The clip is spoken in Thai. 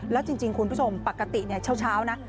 แล้วจริงคุณผู้ชมปกติเช้านะ